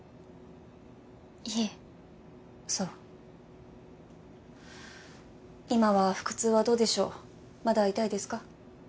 いえそう今は腹痛はどうでしょうまだ痛いですか？